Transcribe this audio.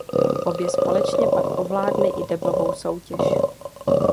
Obě společně pak ovládly i deblovou soutěž.